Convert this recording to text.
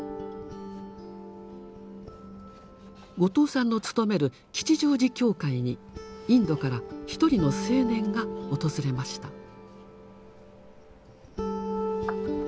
後藤さんのつとめる吉祥寺教会にインドからひとりの青年が訪れました。